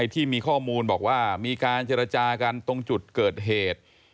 ที่มีข้อมูลบอกว่ามีการเจรจากันตรงจุดเกิดเหตุ